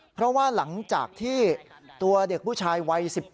เพราะว่าหลังจากที่ตัวเด็กผู้ชายวัย๑๗